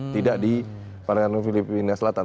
tidak di perairan filipina selatan